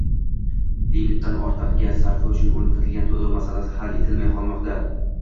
Limitdan ortiq gaz sarfi uchun oʻrnatilgan toʻlov masalasi hal etilmay qolmoqda.